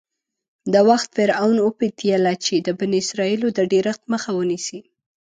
د وخت فرعون وپتېیله چې د بني اسرایلو د ډېرښت مخه ونیسي.